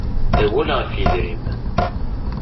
Awal ɣef yidrimen.